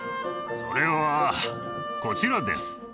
それはこちらです